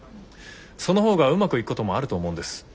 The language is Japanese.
その方がうまくいくこともあると思うんです。